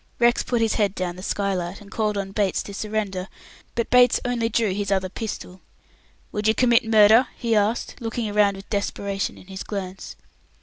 Rex put his head down the skylight, and called on Bates to surrender, but Bates only drew his other pistol. "Would you commit murder?" he asked, looking round with desperation in his glance.